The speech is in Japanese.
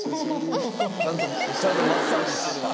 ちゃんとマッサージしてるわ。